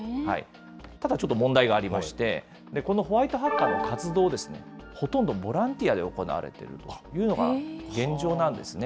ただちょっと問題がありまして、このホワイトハッカーの活動は、ほとんどボランティアで行われているというのが現状なんですね。